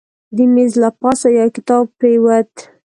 د میز له پاسه یو کتاب پرېوت.